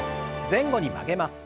前後に曲げます。